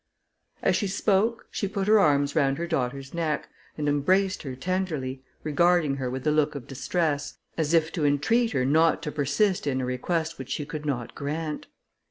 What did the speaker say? As she spoke, she put her arms round her daughter's neck, and embraced her tenderly, regarding her with a look of distress, as if to entreat her not to persist in a request which she could not grant.